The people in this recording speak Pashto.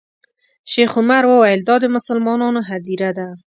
شیخ عمر وویل دا د مسلمانانو هدیره ده.